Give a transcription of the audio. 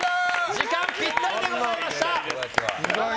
時間ぴったりでございました。